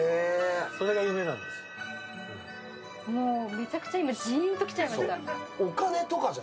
めちゃくちゃ今じーんと来ちゃいました。